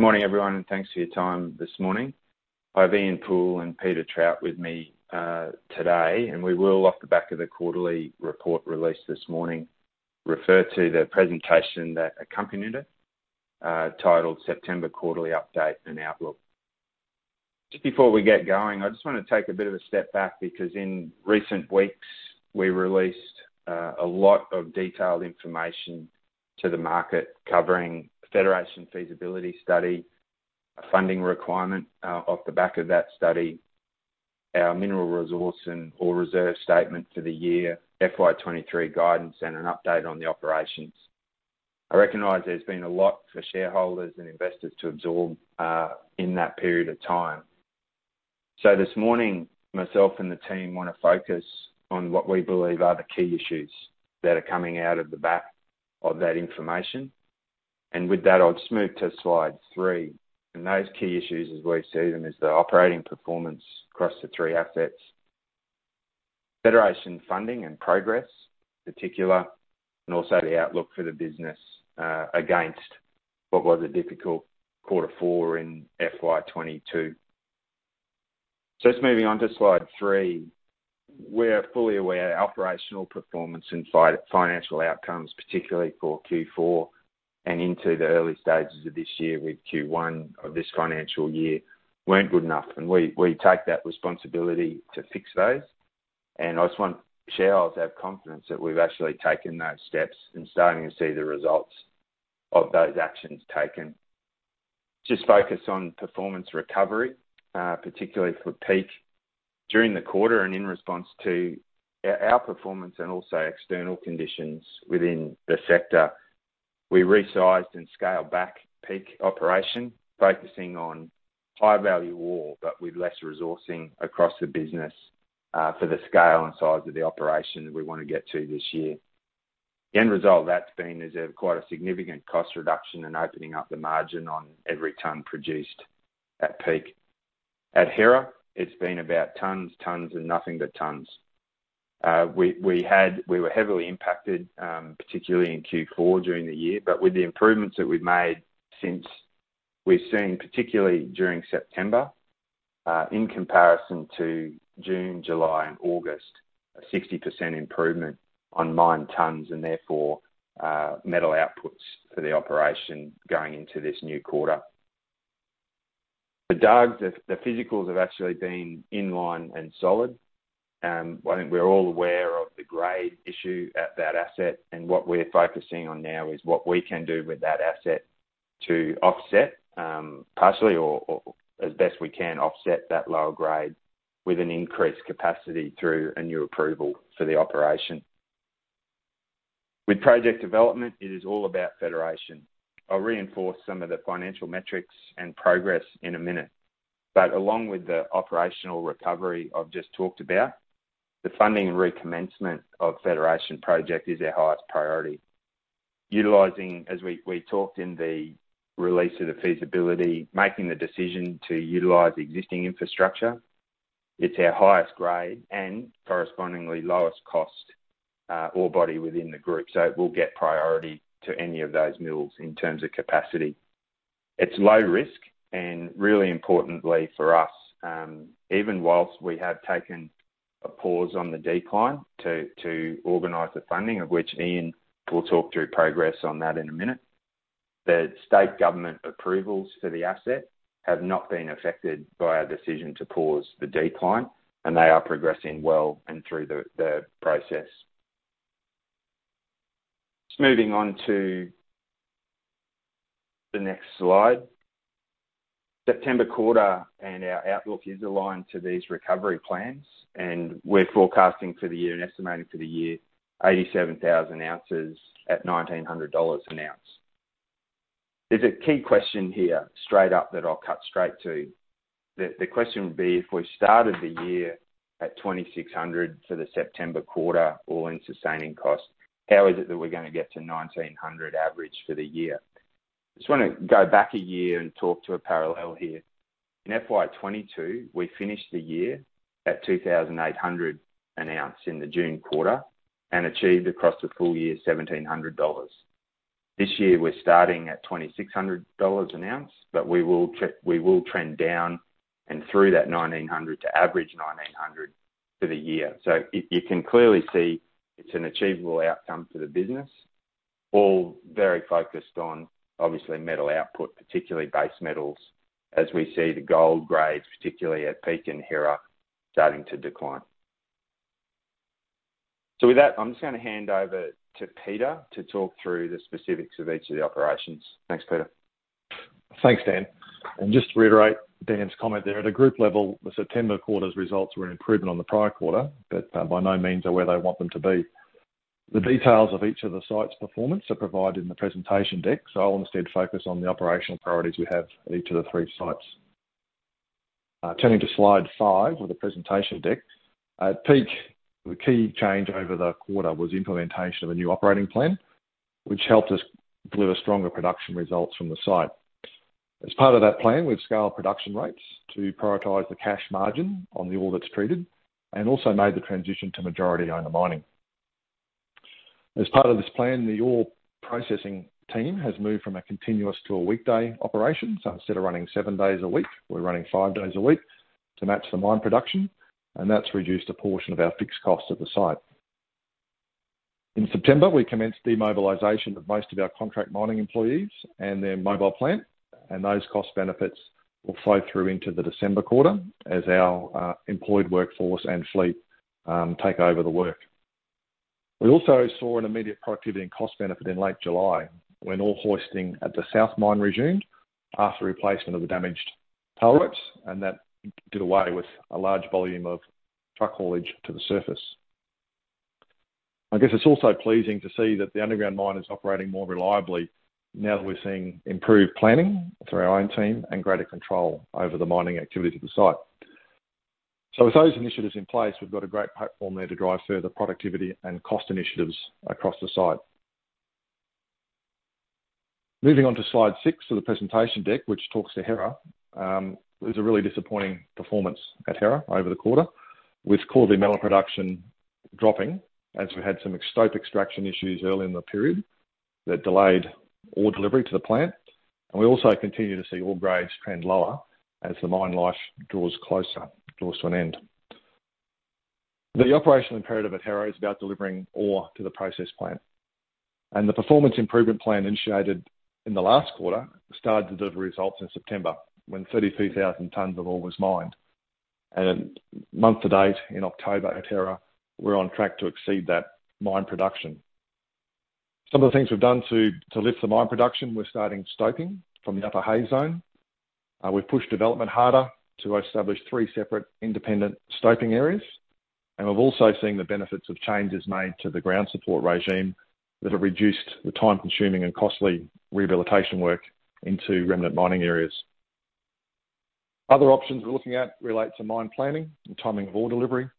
Good morning, everyone, and thanks for your time this morning. I have Ian Poole and Peter Trout with me today, and we will, off the back of the quarterly report released this morning, refer to the presentation that accompanied it, titled September Quarterly Update and Outlook. Just before we get going, I just wanna take a bit of a step back because in recent weeks, we released a lot of detailed information to the market covering Federation feasibility study, a funding requirement off the back of that study, our mineral resource and ore reserve statement for the year, FY23 guidance, and an update on the operations. I recognize there's been a lot for shareholders and investors to absorb in that period of time. This morning, myself and the team wanna focus on what we believe are the key issues that are coming out of the back of that information. With that, I'll just move to slide three. Those key issues, as we see them, is the operating performance across the three assets. Federation funding and progress, particular, and also the outlook for the business, against what was a difficult quarter four in FY22. Just moving on to slide three. We're fully aware operational performance and financial outcomes, particularly for Q4 and into the early stages of this year with Q1 of this financial year weren't good enough. We take that responsibility to fix those. I just want shareholders to have confidence that we've actually taken those steps and starting to see the results of those actions taken. Just focus on performance recovery, particularly for Peak. During the quarter and in response to our performance and also external conditions within the sector, we resized and scaled back Peak operation, focusing on high-value ore, but with less resourcing across the business, for the scale and size of the operation that we wanna get to this year. The end result of that has been a quite significant cost reduction and opening up the margin on every ton produced at Peak. At Hera, it's been about tons and nothing but tons. We were heavily impacted, particularly in Q4 during the year, but with the improvements that we've made since, we've seen, particularly during September, in comparison to June, July, and August, a 60% improvement on mine tons and therefore, metal outputs for the operation going into this new quarter. For Dargues, the physicals have actually been in line and solid. I think we're all aware of the grade issue at that asset, and what we're focusing on now is what we can do with that asset to offset, partially or as best we can, offset that lower grade with an increased capacity through a new approval for the operation. With project development, it is all about Federation. I'll reinforce some of the financial metrics and progress in a minute. Along with the operational recovery I've just talked about, the funding and recommencement of Federation project is our highest priority. Utilizing, as we talked in the release of the feasibility, making the decision to utilize existing infrastructure, it's our highest grade and correspondingly lowest cost, ore body within the group. It will get priority to any of those mills in terms of capacity. It's low risk and really importantly for us, even whilst we have taken a pause on the decline to organize the funding, of which Ian will talk through progress on that in a minute. The state government approvals for the asset have not been affected by our decision to pause the decline, and they are progressing well and through the process. Just moving on to the next slide. September quarter and our outlook is aligned to these recovery plans, and we're forecasting for the year and estimating for the year 87,000 ounces at 1,900 dollars an ounce. There's a key question here straight up that I'll cut straight to. The question would be, if we started the year at 2,600 for the September quarter all-in sustaining cost, how is it that we're gonna get to 1,900 average for the year? Just wanna go back a year and talk to a parallel here. In FY 2022, we finished the year at 2,800 an ounce in the June quarter and achieved across the full year 1,700 dollars. This year, we're starting at 2,600 dollars an ounce, but we will trend down and through that 1,900 to average 1,900 for the year. You can clearly see it's an achievable outcome for the business, all very focused on, obviously, metal output, particularly base metals, as we see the gold grades, particularly at Peak and Hera, starting to decline. With that, I'm just gonna hand over to Peter to talk through the specifics of each of the operations. Thanks, Peter. Thanks, Dan. Just to reiterate Dan's comment there, at a group level, the September quarter's results were an improvement on the prior quarter, but by no means are where they want them to be. The details of each of the site's performance are provided in the presentation deck, so I'll instead focus on the operational priorities we have at each of the three sites. Turning to slide five of the presentation deck. At Peak, the key change over the quarter was implementation of a new operating plan, which helped us deliver stronger production results from the site. As part of that plan, we've scaled production rates to prioritize the cash margin on the ore that's treated and also made the transition to majority owner mining. As part of this plan, the ore processing team has moved from a continuous to a weekday operation. Instead of running seven days a week, we're running five days a week to match the mine production, and that's reduced a portion of our fixed cost at the site. In September, we commenced demobilization of most of our contract mining employees and their mobile plant, and those cost benefits will flow through into the December quarter as our employed workforce and fleet take over the work. We also saw an immediate productivity and cost benefit in late July when all hoisting at the south mine resumed after replacement of the damaged hoist ropes, and that did away with a large volume of truck haulage to the surface. I guess it's also pleasing to see that the underground mine is operating more reliably now that we're seeing improved planning through our own team and greater control over the mining activity at the site. With those initiatives in place, we've got a great platform there to drive further productivity and cost initiatives across the site. Moving on to slide six of the presentation deck, which talks to Hera. It was a really disappointing performance at Hera over the quarter, with quarterly metal production dropping as we had some stope extraction issues early in the period that delayed ore delivery to the plant. We also continue to see ore grades trend lower as the mine life draws closer, draws to an end. The operational imperative at Hera is about delivering ore to the process plant. The performance improvement plan initiated in the last quarter started to deliver results in September when 32,000 tons of ore was mined. Month to date in October at Hera, we're on track to exceed that mine production. Some of the things we've done to lift the mine production, we're starting stoping from the Upper Hays zone. We've pushed development harder to establish three separate independent stoping areas. We've also seen the benefits of changes made to the ground support regime that have reduced the time-consuming and costly rehabilitation work into remnant mining areas. Other options we're looking at relate to mine planning and timing of ore delivery,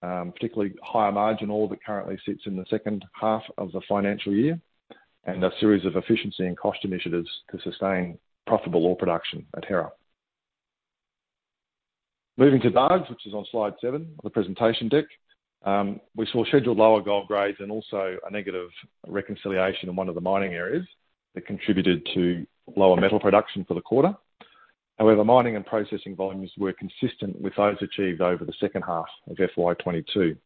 particularly higher margin ore that currently sits in the second half of the financial year, and a series of efficiency and cost initiatives to sustain profitable ore production at Hera. Moving to Dargues, which is on slide seven of the presentation deck. We saw scheduled lower gold grades and also a negative reconciliation in one of the mining areas that contributed to lower metal production for the quarter. However, mining and processing volumes were consistent with those achieved over the second half of FY22.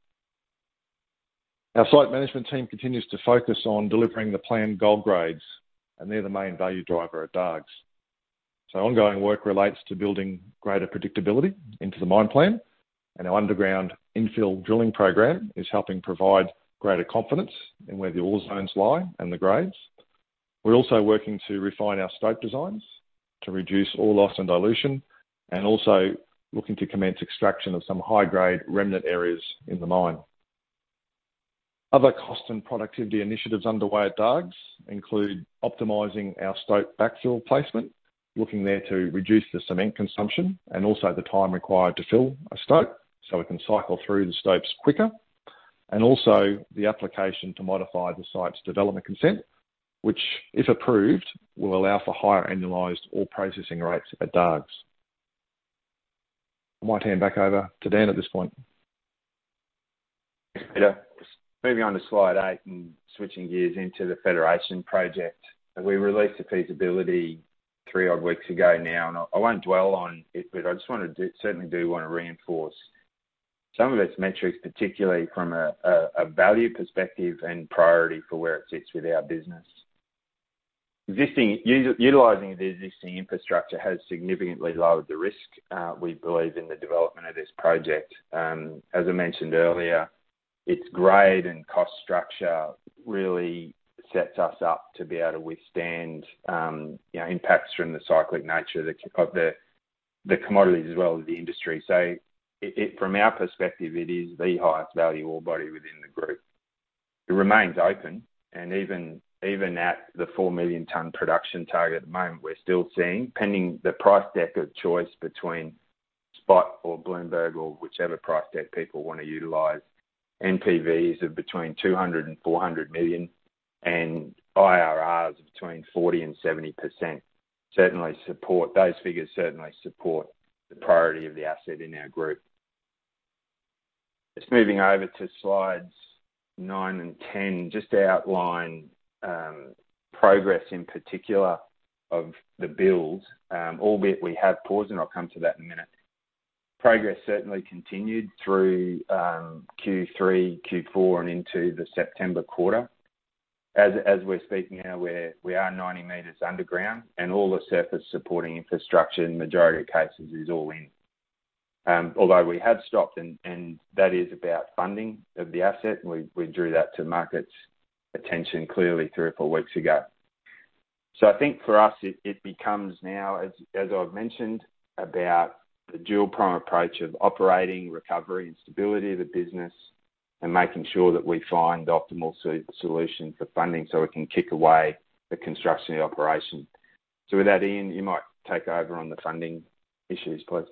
Our site management team continues to focus on delivering the planned gold grades, and they're the main value driver at Dargues. Ongoing work relates to building greater predictability into the mine plan, and our underground infill drilling program is helping provide greater confidence in where the ore zones lie and the grades. We're also working to refine our stope designs to reduce ore loss and dilution, and also looking to commence extraction of some high-grade remnant areas in the mine. Other cost and productivity initiatives underway at Dargues include optimizing our stope backfill placement, looking there to reduce the cement consumption and also the time required to fill a stope, so we can cycle through the stopes quicker. Also the application to modify the site's development consent, which, if approved, will allow for higher annualized ore processing rates at Dargues. I might hand back over to Dan at this point. Thanks, Peter. Moving on to slide eight and switching gears into the Federation project. We released the feasibility three odd weeks ago now, and I won't dwell on it, but I just certainly wanna reinforce some of its metrics, particularly from a value perspective and priority for where it sits with our business. Utilizing the existing infrastructure has significantly lowered the risk, we believe, in the development of this project. As I mentioned earlier, its grade and cost structure really sets us up to be able to withstand, you know, impacts from the cyclic nature of the commodities as well as the industry. From our perspective, it is the highest value ore body within the group. It remains open, and even at the 4 million ton production target, at the moment, we're still seeing, pending the price deck of choice between Spot or Bloomberg or whichever price deck people wanna utilize, NPVs of between 200 million and 400 million and IRRs of between 40% and 70% those figures certainly support the priority of the asset in our group. Just moving over to slides nine and 10, just to outline progress in particular of the build, albeit we have paused, and I'll come to that in a minute. Progress certainly continued through Q3, Q4, and into the September quarter. As we're speaking now, we are 90 meters underground, and all the surface supporting infrastructure in majority of cases is all in. Although we have stopped, and that is about funding of the asset, and we drew that to market's attention clearly three or four weeks ago. I think for us it becomes now, as I've mentioned, about the two-pronged approach of operating, recovery, and stability of the business and making sure that we find optimal solution for funding so we can kick off the construction and operation. With that, Ian, you might take over on the funding issues, please.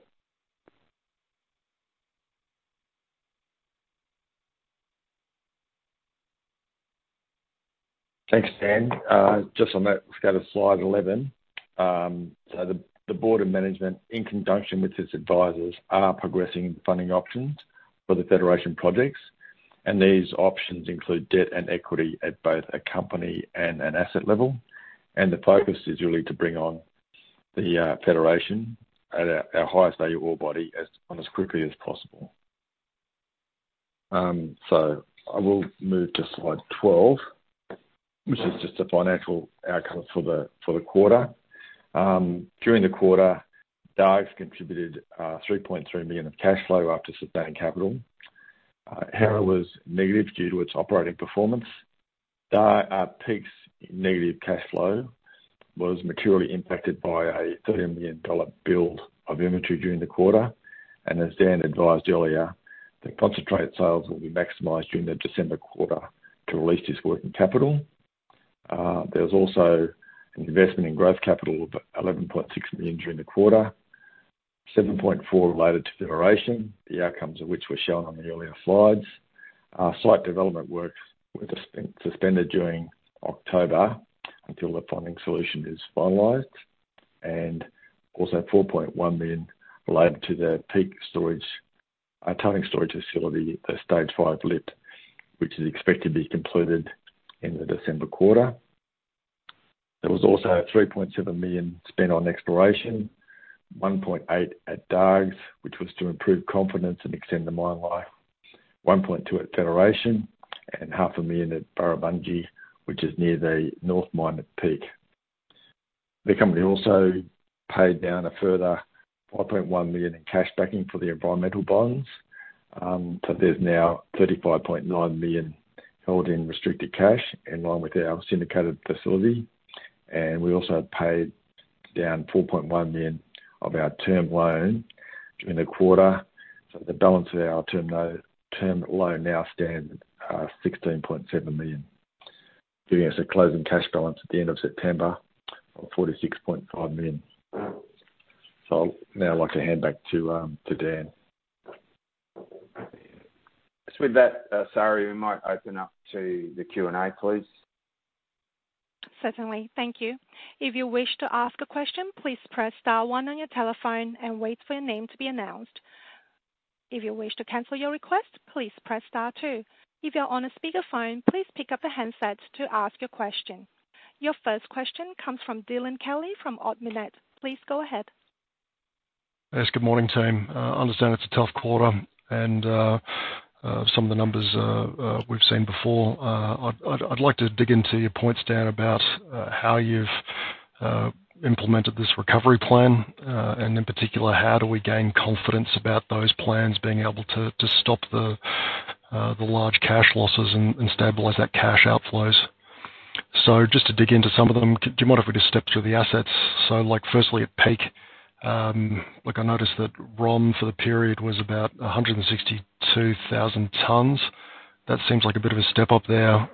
Thanks, Dan. Just on that, let's go to slide 11. The board of management, in conjunction with its advisors, are progressing funding options for the Federation projects, and these options include debt and equity at both a company and an asset level. The focus is really to bring on the Federation at our highest value ore body as quickly as possible. I will move to slide 12, which is just the financial outcomes for the quarter. During the quarter, Dargues contributed 3.3 million of cash flow after sustaining capital. Hera was negative due to its operating performance. Dargues, Peak's negative cash flow was materially impacted by a 13 million dollar build of inventory during the quarter. As Dan advised earlier, the concentrate sales will be maximized during the December quarter to release this working capital. There was also an investment in growth capital of 11.6 million during the quarter, 7.4 related to Federation, the outcomes of which were shown on the earlier slides. Our site development works were suspended during October until the funding solution is finalized. Four point one million related to the Peak tailings storage facility, the Stage 5 lift, which is expected to be completed in the December quarter. There was also 3.7 million spent on exploration, 1.8 at Dargues, which was to improve confidence and extend the mine life. 1.2 at Federation and half a million at Burrabungie, which is near the Peak Mine. The company also paid down a further 1.1 million in cash backing for the environmental bonds. There's now 35.9 million held in restricted cash in line with our syndicated facility. We also paid down 4.1 million of our term loan during the quarter. The balance of our term loan now stands at 16.7 million, giving us a closing cash balance at the end of September of 46.5 million. I'd now like to hand back to Dan. Just with that, sorry, we might open up to the Q&A, please. Certainly. Thank you. If you wish to ask a question, please press star one on your telephone and wait for your name to be announced. If you wish to cancel your request, please press star two. If you're on a speakerphone, please pick up a handset to ask your question. Your first question comes from Dylan Kelly from Ord Minnett. Please go ahead. Yes, good morning, team. Understand it's a tough quarter and some of the numbers we've seen before. I'd like to dig into your points, Dan, about how you've implemented this recovery plan and in particular, how do we gain confidence about those plans being able to stop the large cash losses and stabilize that cash outflows? Just to dig into some of them, do you mind if we just step through the assets? Like, firstly at Peak, look, I noticed that ROM for the period was about 162,000 tons. That seems like a bit of a step up there.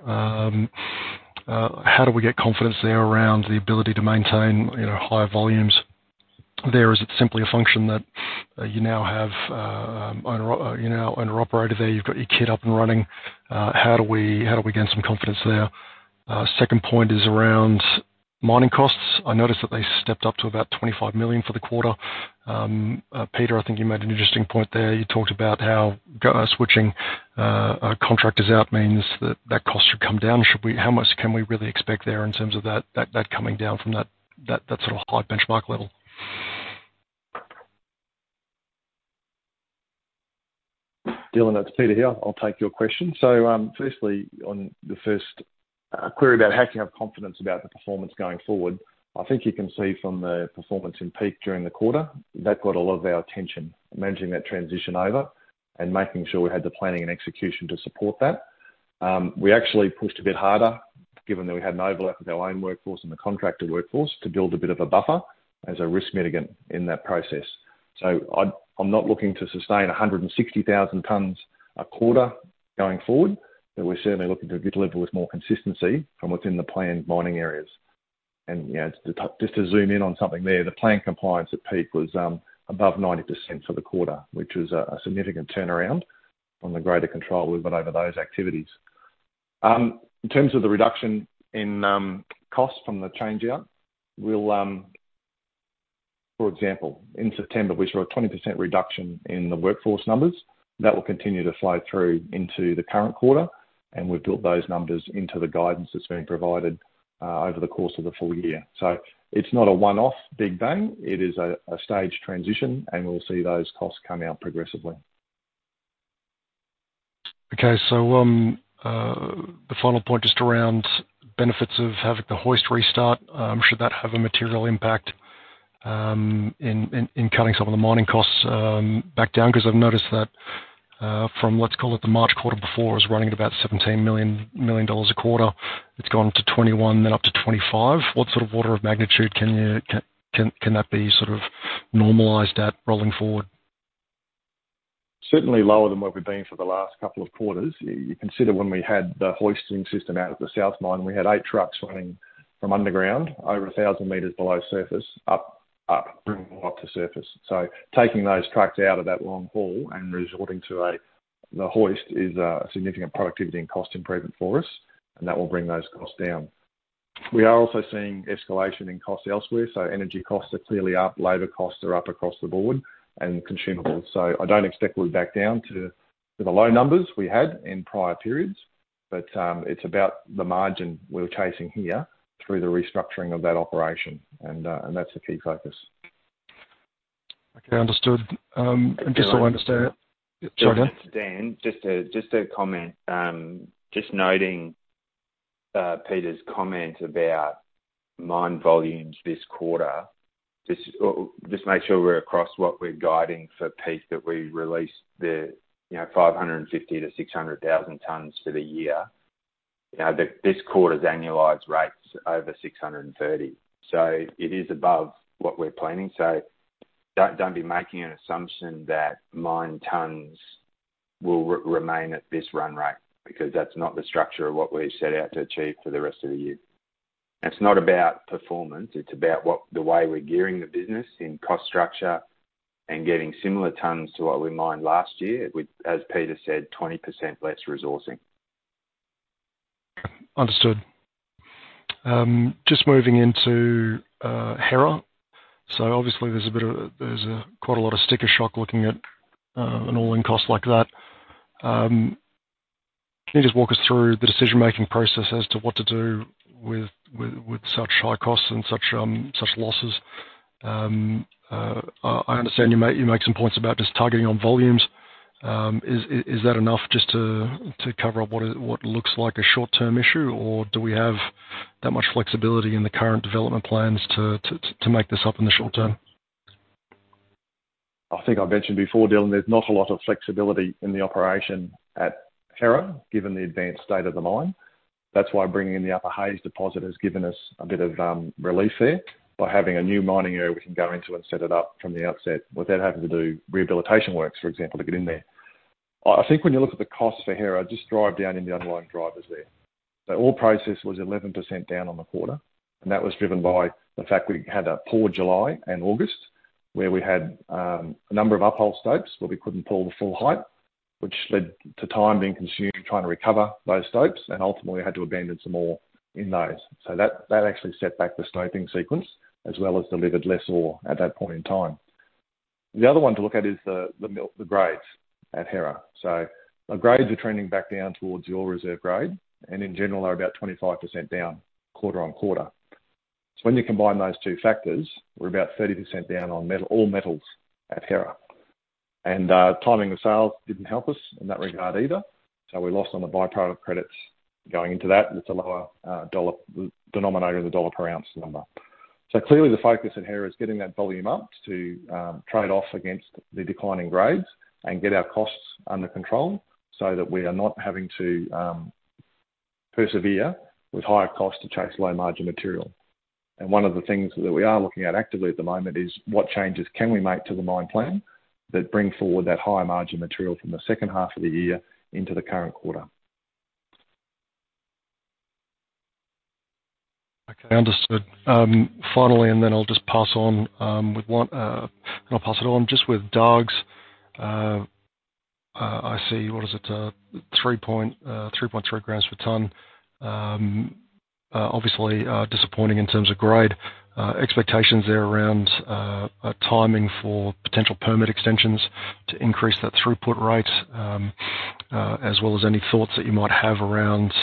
How do we get confidence there around the ability to maintain, you know, higher volumes? Is it simply a function that you now have, you're now owner-operator there, you've got your kit up and running. How do we gain some confidence there? Second point is around mining costs. I noticed that they stepped up to about 25 million for the quarter. Peter, I think you made an interesting point there. You talked about how switching contractors out means that cost should come down. How much can we really expect there in terms of that coming down from that sort of high benchmark level? Dylan, that's Peter here. I'll take your question. Firstly, on the first query about how to have confidence about the performance going forward, I think you can see from the performance in Peak during the quarter, that got a lot of our attention, managing that transition over and making sure we had the planning and execution to support that. We actually pushed a bit harder given that we had an overlap with our own workforce and the contractor workforce to build a bit of a buffer as a risk mitigant in that process. I'm not looking to sustain 160,000 tons a quarter going forward, but we're certainly looking to deliver with more consistency from within the planned mining areas. You know, just to zoom in on something there, the plan compliance at Peak was above 90% for the quarter, which was a significant turnaround from the greater control we've got over those activities. In terms of the reduction in costs from the change out, for example, in September, we saw a 20% reduction in the workforce numbers. That will continue to flow through into the current quarter, and we've built those numbers into the guidance that's being provided over the course of the full year. It's not a one-off big bang. It is a stage transition, and we'll see those costs come out progressively. Okay. The final point just around benefits of having the hoist restart, should that have a material impact in cutting some of the mining costs back down? Because I've noticed that from what's called the March quarter before was running at about 17 million dollars a quarter. It's gone to 21, then up to 25. What sort of order of magnitude can you that be sort of normalized at rolling forward? Certainly lower than what we've been for the last couple of quarters. You consider when we had the hoisting system out at the south mine, we had 8 trucks running from underground over 1,000 meters below surface up to surface. Taking those trucks out of that long haul and resorting to the hoist is a significant productivity and cost improvement for us, and that will bring those costs down. We are also seeing escalation in costs elsewhere. Energy costs are clearly up, labor costs are up across the board and consumables. I don't expect we'll be back down to the low numbers we had in prior periods. It's about the margin we're chasing here through the restructuring of that operation, and that's the key focus. Okay, understood. Just so I understand. Sorry, Dan. Go ahead. Dan, just a comment. Just noting Peter's comment about mine volumes this quarter. Just make sure we're across what we're guiding for Peak that we released, you know, 550,000-600,000 tons for the year. You know, this quarter's annualized rates over 630,000. It is above what we're planning. Don't be making an assumption that mine tons will remain at this run rate because that's not the structure of what we've set out to achieve for the rest of the year. It's not about performance, it's about the way we're gearing the business in cost structure and getting similar tons to what we mined last year with, as Peter said, 20% less resourcing. Understood. Just moving into Hera. Obviously, there's quite a lot of sticker shock looking at an all-in cost like that. Can you just walk us through the decision-making process as to what to do with such high costs and such losses? I understand you make some points about just targeting on volumes. Is that enough just to cover up what looks like a short-term issue? Or do we have that much flexibility in the current development plans to make this up in the short term? I think I mentioned before, Dylan, there's not a lot of flexibility in the operation at Hera, given the advanced state of the mine. That's why bringing in the Upper Hays deposit has given us a bit of relief there by having a new mining area we can go into and set it up from the outset without having to do rehabilitation works, for example, to get in there. I think when you look at the cost for Hera, just drill down in the underlying drivers there. The ore processed was 11% down on the quarter, and that was driven by the fact we had a poor July and August, where we had a number of uphole stopes where we couldn't pull the full height, which led to time being consumed trying to recover those stopes, and ultimately had to abandon some ore in those. That actually set back the stoping sequence, as well as delivered less ore at that point in time. The other one to look at is the grades at Hera. The grades are trending back down towards the ore reserve grade and in general are about 25% down quarter-on-quarter. When you combine those two factors, we're about 30% down on all metals at Hera. Timing of sales didn't help us in that regard either. We lost on the by-product credits going into that. It's a lower dollar denominator of the dollar per ounce number. Clearly the focus at Hera is getting that volume up to trade off against the declining grades and get our costs under control so that we are not having to persevere with higher costs to chase low margin material. One of the things that we are looking at actively at the moment is what changes can we make to the mine plan that bring forward that higher margin material from the second half of the year into the current quarter. Okay, understood. Finally, I'll just pass on with one, and I'll pass it on just with Dargues's. I see, what is it? 3.3 grams per ton. Obviously, disappointing in terms of grade expectations there around timing for potential permit extensions to increase that throughput rate, as well as any thoughts that you might have around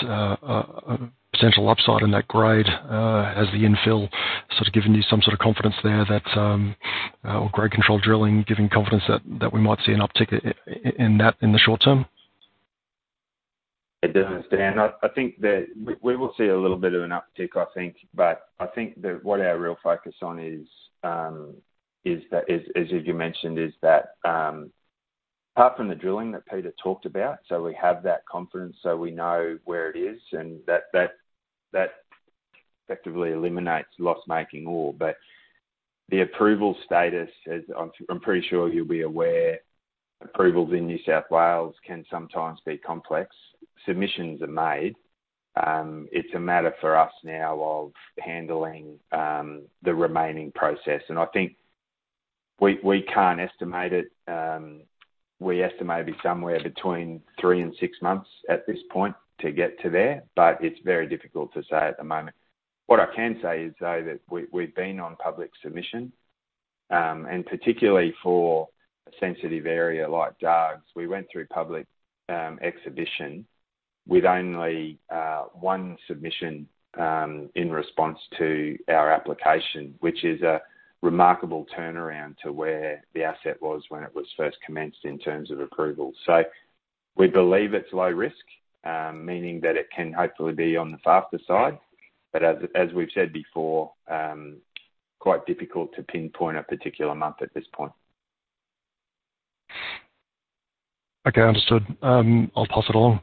potential upside in that grade. Has the infill sort of given you some sort of confidence there that, or grade control drilling giving confidence that we might see an uptick in that in the short term? It doesn't, Dan. I think that we will see a little bit of an uptick, I think. But I think that what our real focus is is that, as you mentioned, apart from the drilling that Peter talked about, we have that confidence, so we know where it is and that effectively eliminates loss making ore. But the approval status as I'm pretty sure you'll be aware, approvals in New South Wales can sometimes be complex. Submissions are made. It's a matter for us now of handling the remaining process. I think we can't estimate it. We estimate it be somewhere between three and six months at this point to get to there, but it's very difficult to say at the moment. What I can say is, though, that we've been on public submission, and particularly for a sensitive area like Dargues's. We went through public exhibition with only one submission in response to our application, which is a remarkable turnaround to where the asset was when it was first commenced in terms of approval. We believe it's low risk, meaning that it can hopefully be on the faster side. As we've said before, it's quite difficult to pinpoint a particular month at this point. Okay, understood. I'll pass it along.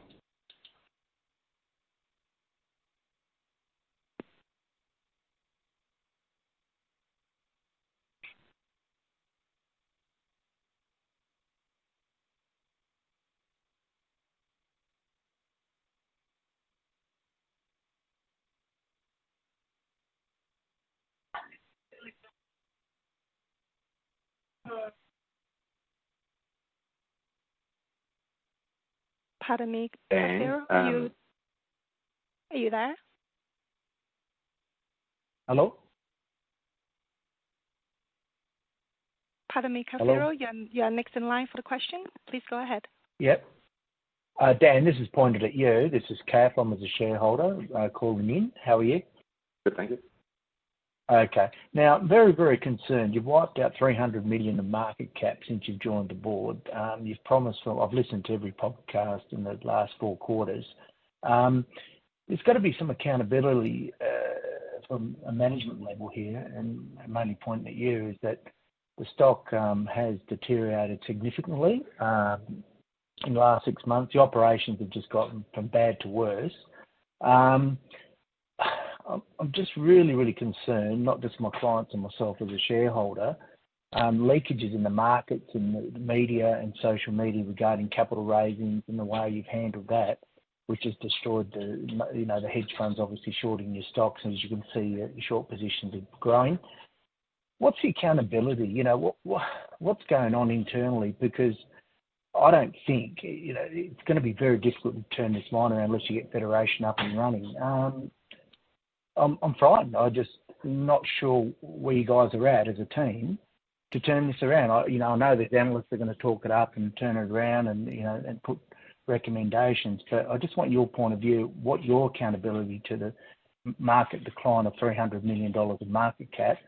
Cath Cafiero. Dan, Are you there? Hello? Cath Cafiero. Hello. You're next in line for the question. Please go ahead. Yep. Dan, this is pointed at you. This is Cath, I'm with the shareholder, calling in. How are you? Good, thank you. Okay. Now, very concerned. You've wiped out 300 million of market cap since you've joined the board. I've listened to every podcast in the last four quarters. There's got to be some accountability from a management level here. My only point at you is that the stock has deteriorated significantly in the last six months. The operations have just gotten from bad to worse. I'm just really concerned, not just my clients and myself as a shareholder, leakages in the markets and the media and social media regarding capital raising and the way you've handled that, which has destroyed the market, you know, the hedge funds obviously shorting your stocks. As you can see, the short positions are growing. What's the accountability? You know, what's going on internally? Because I don't think, you know, it's gonna be very difficult to turn this mine around unless you get Federation up and running. I'm frightened. I'm just not sure where you guys are at as a team to turn this around. You know, I know the analysts are gonna talk it up and turn it around and, you know, and put recommendations. But I just want your point of view, what your accountability to the market decline of 300 million dollars in market cap,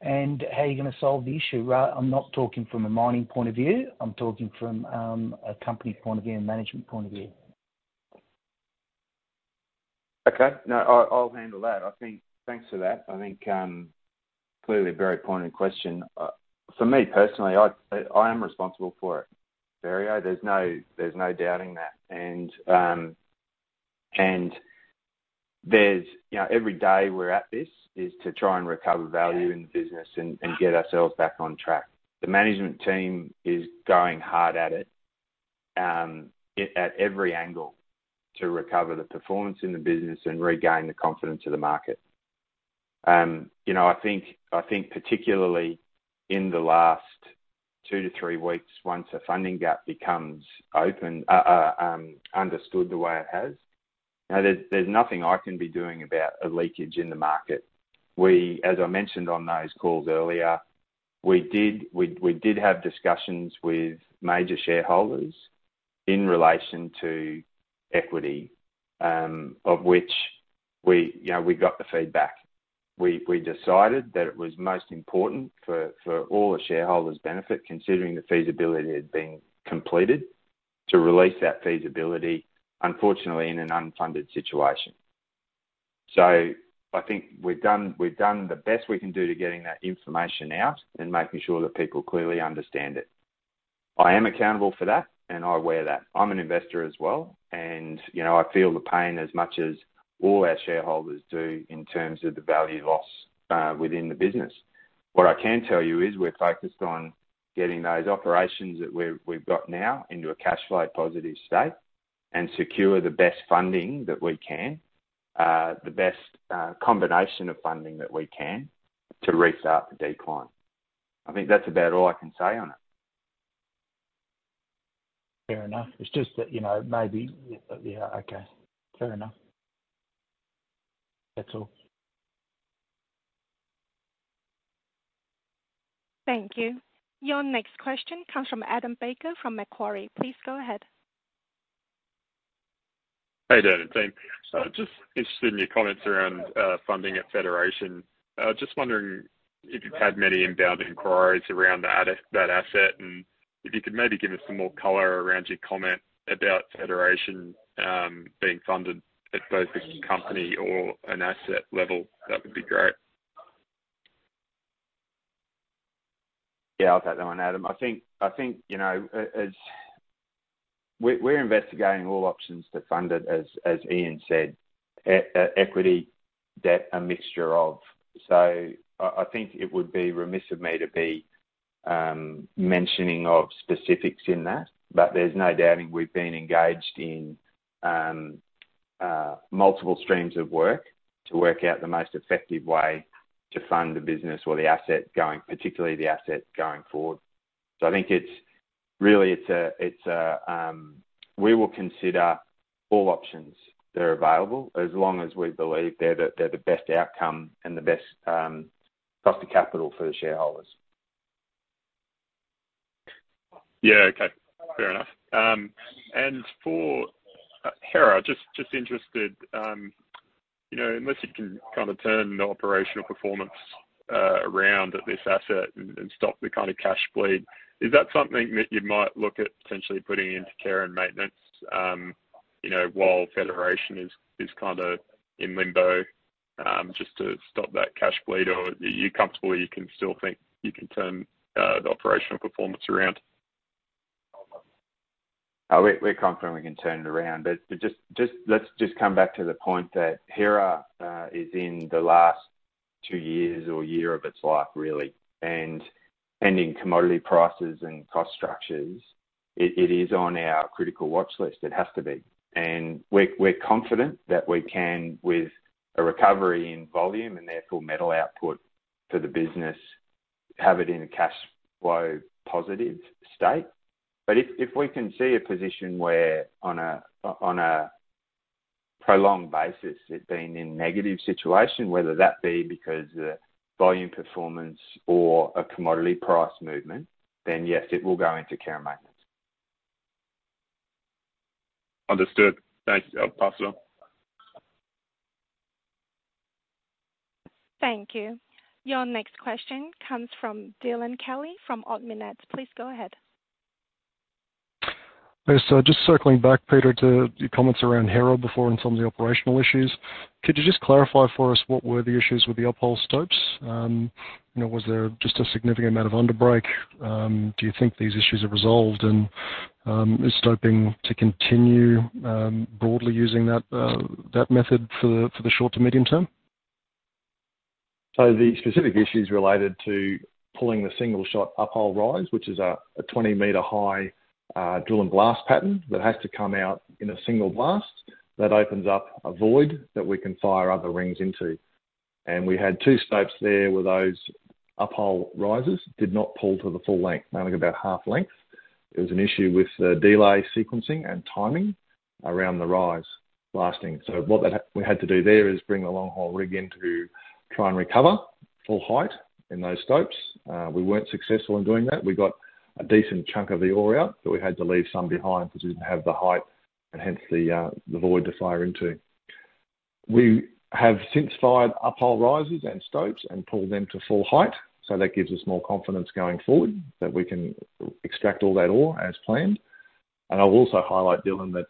and how you're gonna solve the issue. I'm not talking from a mining point of view. I'm talking from a company point of view and management point of view. Okay. No, I'll handle that. I think, thanks for that. I think, clearly a very pointed question. For me personally, I am responsible for it, very. There's no doubting that. There's, you know, every day we're at this is to try and recover value in the business and get ourselves back on track. The management team is going hard at it, at every angle to recover the performance in the business and regain the confidence of the market. You know, I think particularly in the last two-three weeks, once the funding gap becomes open, understood the way it has, you know, there's nothing I can be doing about a leakage in the market. As I mentioned on those calls earlier, we did have discussions with major shareholders in relation to equity, of which, you know, we got the feedback. We decided that it was most important for all the shareholders' benefit, considering the feasibility had been completed, to release that feasibility, unfortunately in an unfunded situation. I think we've done the best we can do to getting that information out and making sure that people clearly understand it. I am accountable for that, and I wear that. I'm an investor as well, and, you know, I feel the pain as much as all our shareholders do in terms of the value loss within the business. What I can tell you is we're focused on getting those operations that we've got now into a cash flow positive state and secure the best combination of funding that we can to restart the decline. I think that's about all I can say on it. Fair enough. It's just that, you know, maybe. Yeah. Okay. Fair enough. That's all. Thank you. Your next question comes from Adam Baker from Macquarie. Please go ahead. Hey, Dan and team. Just interested in your comments around funding at Federation. I was just wondering if you've had many inbound inquiries around that asset, and if you could maybe give us some more color around your comment about Federation being funded at both a company or an asset level, that would be great. Yeah, I'll take that one, Adam. I think, you know, we're investigating all options to fund it as Ian said, equity, debt, a mixture of. I think it would be remiss of me to be mentioning of specifics in that. But there's no doubting we've been engaged in multiple streams of work to work out the most effective way to fund the business or the asset going, particularly the asset going forward. I think it's really a we will consider all options that are available as long as we believe they're the best outcome and the best cost to capital for the shareholders. Yeah. Okay. Fair enough. For Hera, just interested, you know, unless you can kind of turn the operational performance around at this asset and stop the kind of cash bleed, is that something that you might look at potentially putting into care and maintenance, you know, while Federation is kind of in limbo, just to stop that cash bleed? Or are you comfortable you can still think you can turn the operational performance around? We're confident we can turn it around. Just let's just come back to the point that Hera is in the last two years or year of its life, really, and pending commodity prices and cost structures. It is on our critical watch list. It has to be. We're confident that we can, with a recovery in volume and therefore metal output to the business, have it in a cash flow positive state. If we can see a position where on a prolonged basis, it's been in negative situation, whether that be because of volume performance or a commodity price movement, then yes, it will go into care and maintenance. Understood. Thanks. I'll pass it on. Thank you. Your next question comes from Dylan Kelly from Ord Minnett. Please go ahead. Just circling back, Peter, to your comments around Hera before and some of the operational issues. Could you just clarify for us what were the issues with the up hole stopes? You know, was there just a significant amount of underbreak? Do you think these issues are resolved? Is stopping to continue broadly using that method for the short to medium term? The specific issues related to pulling the single shot up hole rise, which is a 20-meter high drill and blast pattern that has to come out in a single blast that opens up a void that we can fire other rings into. We had two stopes there where those up hole rises did not pull to the full length, only about half length. There was an issue with the delay sequencing and timing around the rise blasting. What we had to do there is bring a long hole rig in to try and recover full height in those stopes. We weren't successful in doing that. We got a decent chunk of the ore out, but we had to leave some behind because we didn't have the height and hence the void to fire into. We have since fired uphole rises and stopes and pulled them to full height, so that gives us more confidence going forward that we can extract all that ore as planned. I'll also highlight, Dylan, that,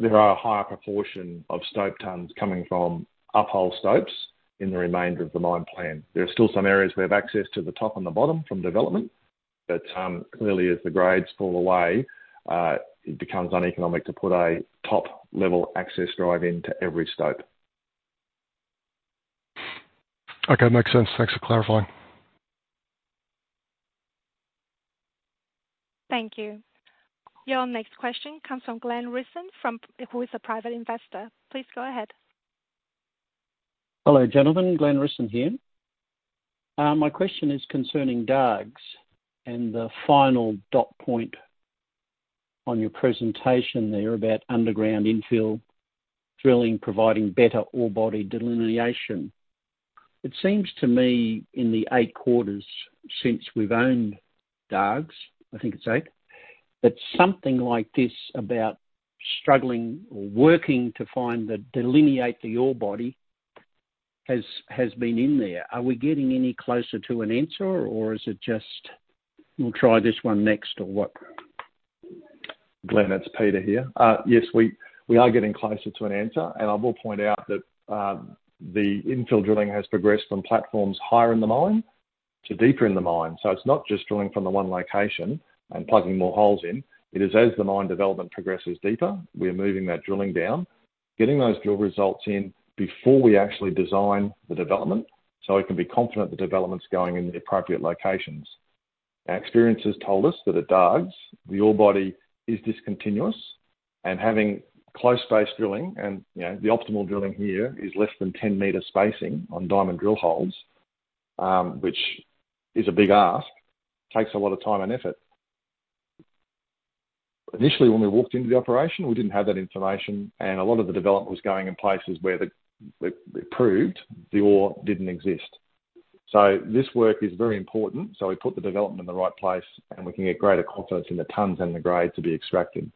there are a higher proportion of stope tonnes coming from uphole stopes in the remainder of the mine plan. There are still some areas we have access to the top and the bottom from development, but, clearly as the grades fall away, it becomes uneconomic to put a top-level access drive into every stope. Okay. Makes sense. Thanks for clarifying. Thank you. Your next question comes from Glenn Risson, who is a private investor. Please go ahead. Hello, gentlemen. Glenn Risson here. My question is concerning Dargues and the final dot point on your presentation there about underground infill drilling providing better ore body delineation. It seems to me in the eight quarters since we've owned Dargues, I think it's eight, that something like this about struggling or working to delineate the ore body has been in there. Are we getting any closer to an answer, or is it just, we'll try this one next, or what? Glenn, it's Peter here. Yes, we are getting closer to an answer. I will point out that the infill drilling has progressed from platforms higher in the mine to deeper in the mine. It's not just drilling from the one location and plugging more holes in. It is as the mine development progresses deeper, we are moving that drilling down, getting those drill results in before we actually design the development, so we can be confident the development's going in the appropriate locations. Our experience has told us that at Dargues, the ore body is discontinuous and having close-spaced drilling and, you know, the optimal drilling here is less than 10-meter spacing on diamond drill holes, which is a big ask, takes a lot of time and effort. Initially, when we walked into the operation, we didn't have that information, and a lot of the development was going in places where it proved the ore didn't exist. This work is very important, so we put the development in the right place, and we can get greater confidence in the tonnes and the grade to be extracted,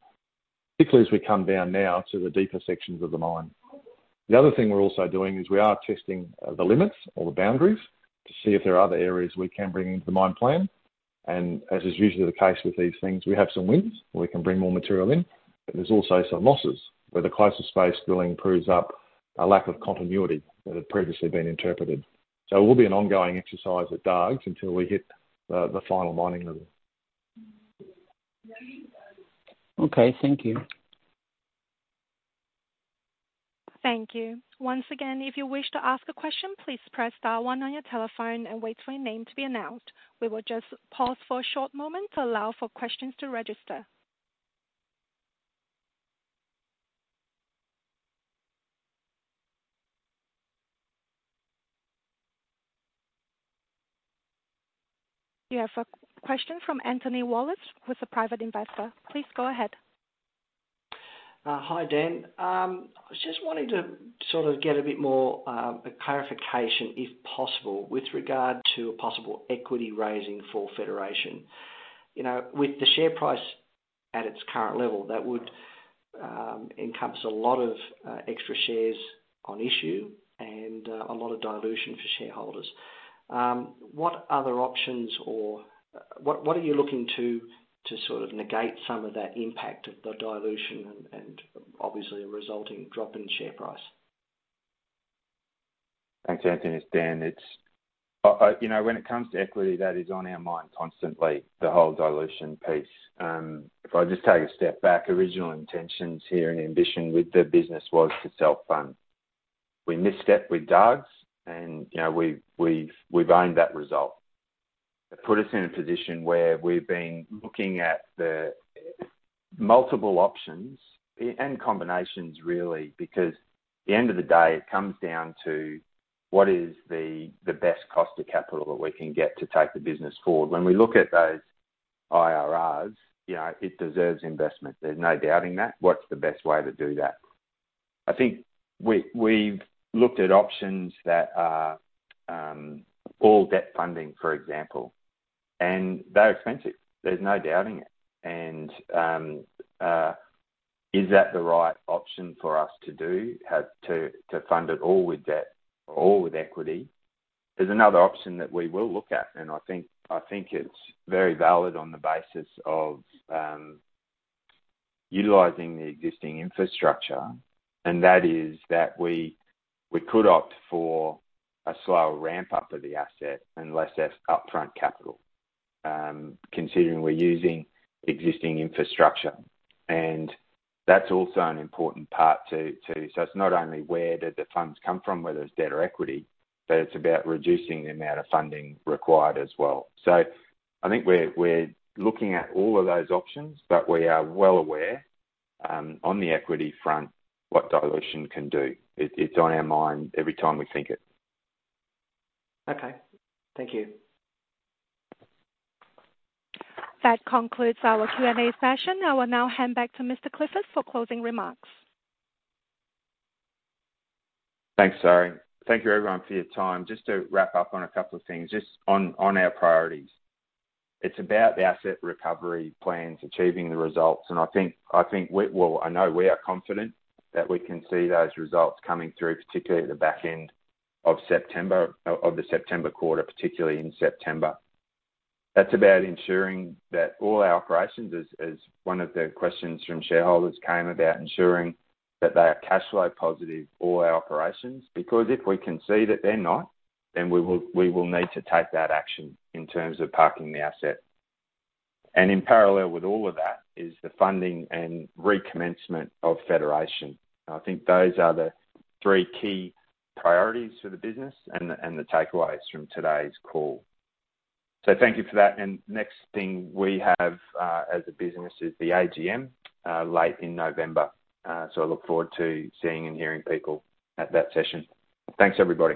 particularly as we come down now to the deeper sections of the mine. The other thing we're also doing is we are testing the limits or the boundaries to see if there are other areas we can bring into the mine plan. As is usually the case with these things, we have some wins, and we can bring more material in, but there's also some losses, where the close-spaced drilling proves up a lack of continuity that had previously been interpreted. It will be an ongoing exercise at Dargues until we hit the final mining level. Okay. Thank you. Thank you. Once again, if you wish to ask a question, please press star one on your telephone and wait for your name to be announced. We will just pause for a short moment to allow for questions to register. You have a question from Anthony Wallace, who is a private investor. Please go ahead. Hi, Dan. I was just wanting to sort of get a bit more a clarification, if possible, with regard to a possible equity raising for Federation. You know, with the share price at its current level, that would encompass a lot of extra shares on issue and a lot of dilution for shareholders. What other options or what are you looking to sort of negate some of that impact of the dilution and obviously a resulting drop in share price? Thanks, Anthony. It's Dan. You know, when it comes to equity, that is on our mind constantly, the whole dilution piece. If I just take a step back, original intentions here and ambition with the business was to self-fund. We misstepped with Dargues, you know, we've owned that result. It put us in a position where we've been looking at the multiple options and combinations really, because at the end of the day, it comes down to what is the best cost of capital that we can get to take the business forward. When we look at those IRRs, you know, it deserves investment. There's no doubting that. What's the best way to do that? I think we've looked at options that are all debt funding, for example, and very expensive. There's no doubting it. Is that the right option for us to do? Has to fund it all with debt or all with equity. There's another option that we will look at, and I think it's very valid on the basis of utilizing the existing infrastructure, and that is that we could opt for a slow ramp-up of the asset and less up-front capital, considering we're using existing infrastructure. That's also an important part. It's not only where do the funds come from, whether it's debt or equity, but it's about reducing the amount of funding required as well. I think we're looking at all of those options, but we are well aware on the equity front, what dilution can do. It's on our mind every time we think it. Okay. Thank you. That concludes our Q&A session. I will now hand back to Mr. Clifford for closing remarks. Thanks, Sari. Thank you, everyone, for your time. Just to wrap up on a couple of things, just on our priorities. It's about the asset recovery plans, achieving the results. I think we are confident that we can see those results coming through, particularly at the back end of September of the September quarter, particularly in September. That's about ensuring that all our operations, as one of the questions from shareholders came about ensuring that they are cash flow positive, all our operations. Because if we can see that they're not, then we will need to take that action in terms of parking the asset. In parallel with all of that is the funding and recommencement of Federation. I think those are the three key priorities for the business and the takeaways from today's call. Thank you for that. Next thing we have as a business is the AGM late in November. I look forward to seeing and hearing people at that session. Thanks, everybody.